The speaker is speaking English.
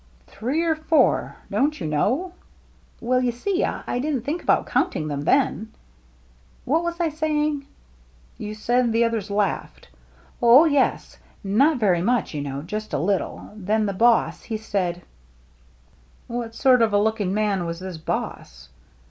" Three or four ! Don't you know ?"" Well, you see, I didn't think about count ing 'em then. What was I saying ?" "You said the others laughed." " Oh, yes. Not very much, you know, — just a little. Then the boss, he said —"" What sort of a looking man was this boss?"